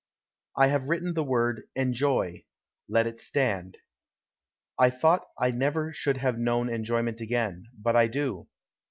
I have written the word "enjoy"; let it stand. I thought I never should have known enjoyment again, but I do.